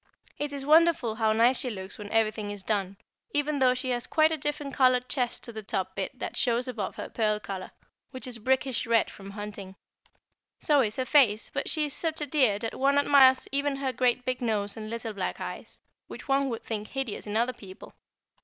It is wonderful how nice she looks when everything is done, even though she has quite a different coloured chest to the top bit that shows above her pearl collar, which is brickish red from hunting. So is her face, but she is such a dear that one admires even her great big nose and little black eyes, which one would think hideous in other people.